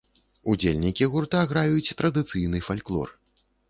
Удзельнікі гурта граюць традыцыйны фальклор.